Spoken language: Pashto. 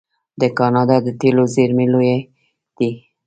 د کاناډا د تیلو زیرمې لویې دي.